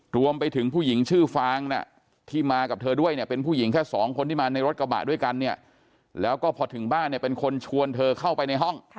รวมไปถึงผู้หญิงชื่อฟางที่มากับเธอด้วยเนี่ยเป็นผู้หญิงแค่สองคนที่มาในรถกระบะด้วยกันเนี่ยแล้วก็พอถึงบ้านเนี่ยเป็นคนชวนเธอเข้าไปในห้อง